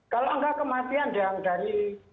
kalau enggak kematian dari